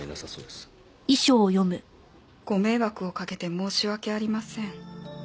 「ご迷惑をかけて申し訳ありません」